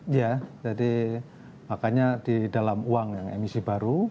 iya jadi makanya di dalam uang yang emisi baru